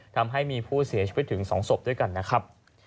ทำให้มีผู้เสียชีวิตถึง๒ศพด้วยกันนะครับ